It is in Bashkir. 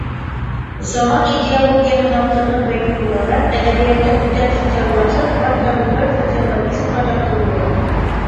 Заман идеологияһына тығыҙ бәйле булараҡ, әҙәбиәттең үтә социаллашып, хатта вульгар социологизмға тартылыуы.